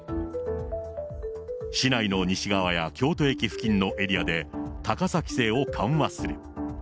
市内の西側や京都駅付近のエリアで高さ規制を緩和する。